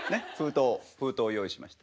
封筒を用意しました。